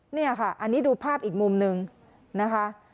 เนี่ยค่ะอันนี้ดูภาพอีกมุมหนึ่งนะคะ